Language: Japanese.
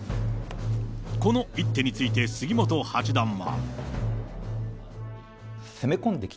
この一手について、杉本八段は。